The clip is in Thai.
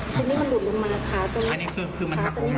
ตรงนี้มันหลุดลงมาขาตรงนี้ขาตรงนี้จะมาเชื่อมตัวตรงนี้